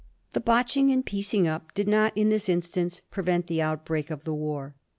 The botching and piecing up did not in this instance pre vent the outbreak of the war.